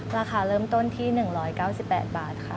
ราคาเริ่มต้นที่๑๙๘บาทค่ะ